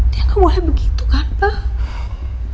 dia gak boleh begitu kan pak